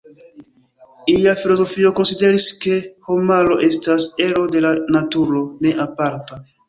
Ilia filozofio konsideris, ke homaro estas ero de la naturo, ne aparta.